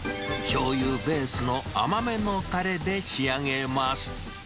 しょうゆベースの甘めのたれで仕上げます。